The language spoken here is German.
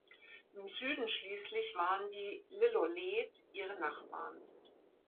Im Süden schließlich waren die Lillooet ihre Nachbarn.